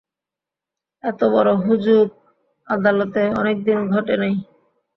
এতবড়ো হুজুক আদালতে অনেকদিন ঘটে নাই।